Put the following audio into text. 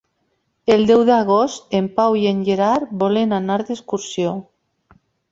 El deu d'agost en Pau i en Gerard volen anar d'excursió.